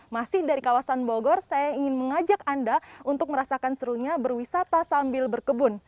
masih dari kawasan bogor saya ingin mengajak anda untuk merasakan serunya berwisata sambil berkebun